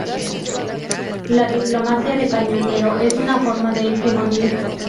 La diplomacia de cañonero es una forma de hegemonía.